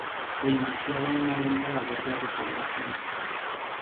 Se iniciaba una lenta labor de repoblación.